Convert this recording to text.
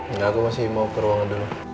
enggak aku masih mau ke ruangan dulu